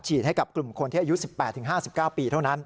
ให้กับกลุ่มคนที่อายุ๑๘๕๙ปีเท่านั้น